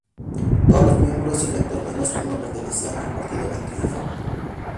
Todos los miembros electos menos uno pertenecían al Partido Anti-Reforma.